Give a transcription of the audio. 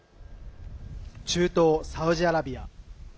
中東サウジアラビア。